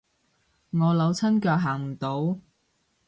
我扭親腳行唔到